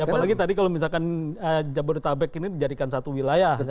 apalagi tadi kalau misalkan jabodetabek ini dijadikan satu wilayah